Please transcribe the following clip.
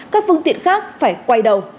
các phương tiện khác phải quay đầu